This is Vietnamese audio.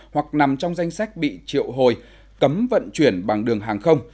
hoặc nằm trong danh sách bị triệu hồi cấm vận chuyển bằng đường hàng không